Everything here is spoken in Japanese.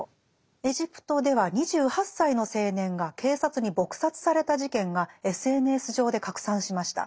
エジプトでは２８歳の青年が警察に撲殺された事件がＳＮＳ上で拡散しました。